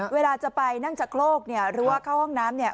เวลาจะไปนั่งชะโครกเนี่ยหรือว่าเข้าห้องน้ำเนี่ย